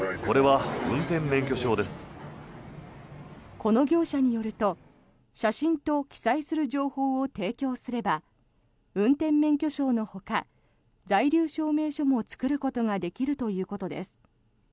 この業者によると写真と記載する情報を提供すれば運転免許証のほか在留証明書も作ることができるということです。